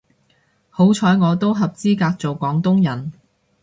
好彩我都合資格做廣東人